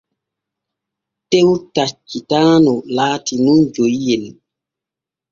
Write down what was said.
Tew taccitaanu laati nun joyiyel.